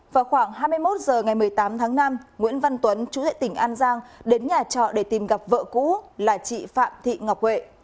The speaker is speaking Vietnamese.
vào khoảng hai mươi một h ngày một mươi tám tháng năm nguyễn văn tuấn chú hệ tỉnh an giang đến nhà trọ để tìm gặp vợ cũ là chị phạm thị ngọc huệ